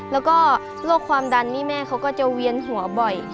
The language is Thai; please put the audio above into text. แล้วก็โรคความดันนี่แม่เขาก็จะเวียนหัวบ่อย